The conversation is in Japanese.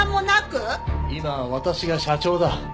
今は私が社長だ。